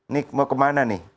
nek mau kemana nih